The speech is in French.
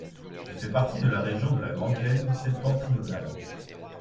Il fait partie de la région de la Grande Plaine septentrionale.